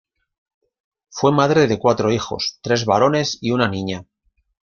Fue madre de cuatro hijos, tres varones y una niña.